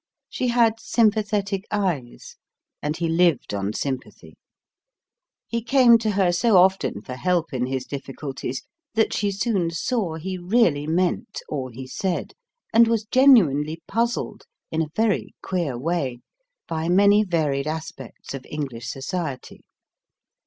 She had sympathetic eyes; and he lived on sympathy. He came to her so often for help in his difficulties that she soon saw he really meant all he said, and was genuinely puzzled in a very queer way by many varied aspects of English society.